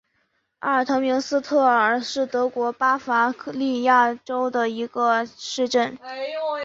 阿尔滕明斯特尔是德国巴伐利亚州的一个市镇。